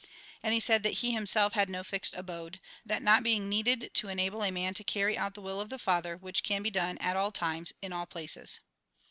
And he said that he himself had no fixed abode ; that not being needed to enable a man to carry out the will of the Father, which can be done at all times, in all places.